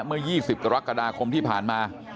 เมื่อ๒๐กรกฎาคมที่ผ่านมา